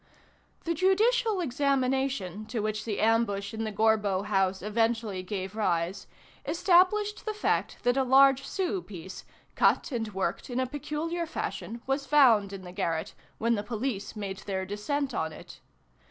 The judicial examination to which the ambush in the Gorbeau house eventually gave rise, established the fact that a large sou piece, cut and worked in a peculiar fashion, was found in the garret, when the police made their descent on it.